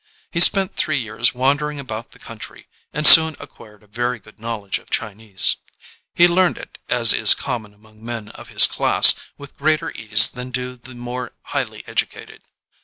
He spent three years wandering about the coun try, and soon acquired a very good knowledge of Chinese. He learned it, as is common among men of his class, with greater ease than do the more highly educated.